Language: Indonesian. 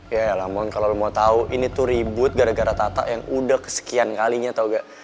yaelah mohon kalo lo mau tau ini tuh ribet gara gara tata yang udah kesekian kalinya tau gak